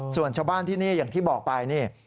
ส่วนชาวบ้านที่นี่อย่างที่บอกไปนี่